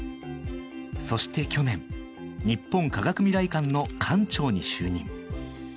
そして去年日本科学未来館の館長に就任。